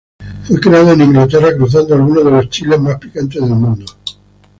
Fue creado en Inglaterra cruzando algunos de los chiles más picantes del mundo.